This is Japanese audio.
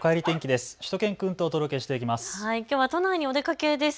しゅと犬くんとお届けしていきます。